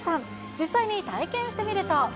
実際に体験してみると。